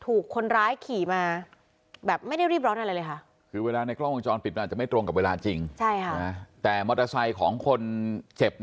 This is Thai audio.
ถูกคนร้ายขี่มาแบบไม่ได้รีบร้อนอะไรเลยค่ะคือเวลาในกล้องวงจรปิดมันอาจจะไม่ตรงกับเวลาจริงแต่มอเตอร์ไซค์ของคนเจ็บ